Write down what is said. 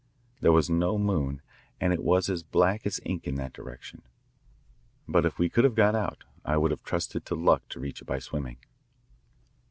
There was no moon and it was as black as ink in that direction, but if we could have got out I would have trusted to luck to reach it by swimming.